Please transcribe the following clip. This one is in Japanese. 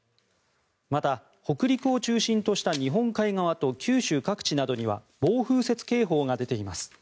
また北陸を中心とした日本海側と九州各地などには暴風雪警報が出ています。